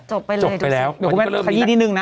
จบไปเลยเดี๋ยวกลุ่มแม่ขยี้นี่หนึ่งนะ